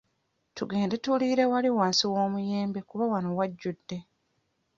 Tugende tuliire wali wansi w'omuti gw'omuyembe kuba wano wajjude.